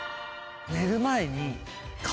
寝る前に。